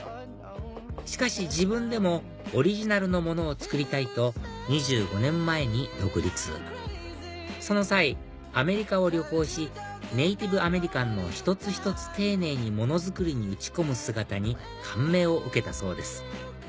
しかし自分でもオリジナルのものを作りたいと２５年前に独立その際アメリカを旅行しネーティブアメリカンの一つ一つ丁寧に物作りに打ち込む姿に感銘を受けたそうです